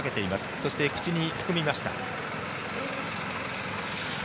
そして、口に含みました。